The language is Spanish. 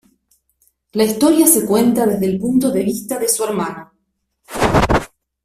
La historia se cuenta desde el punto de vista de su hermano.